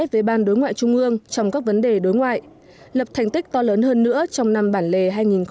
với ban đối ngoại trung ương trong các vấn đề đối ngoại lập thành tích to lớn hơn nữa trong năm bản lề hai nghìn một mươi tám